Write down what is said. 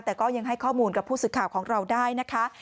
แต่ก็ยังให้ข้อมูลกับผู้สื่อข่าวของเราได้นะคะ